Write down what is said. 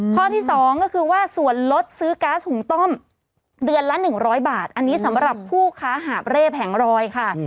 ข้อที่๒ก็คือว่าส่วนลดซื้อก๊าซหุงต้มเดือนละ๑๐๐บาทอันนี้สำหรับผู้ค้าหาบเร่แผงรอยค่ะ